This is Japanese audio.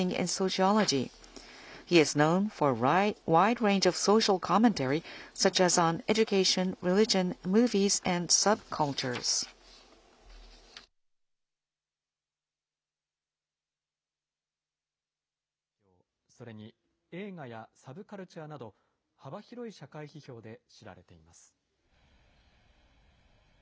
教育や宗教、それに映画やサブカルチャーなど、幅広い社会批評で知られています。